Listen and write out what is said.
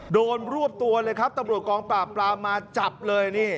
รวบตัวเลยครับตำรวจกองปราบปรามมาจับเลยนี่